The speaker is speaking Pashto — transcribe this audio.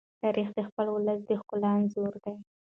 تاریخ د خپل ولس د ښکلا انځور دی.